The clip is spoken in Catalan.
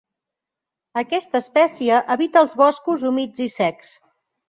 Aquesta espècie habita els boscos humits i secs.